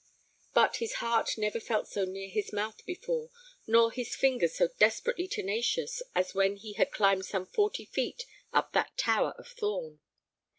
But his heart never felt so near his mouth before, nor his fingers so desperately tenacious, as when he had climbed some forty feet up that tower of Thorn.